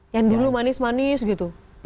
yang dulu manis manis gitu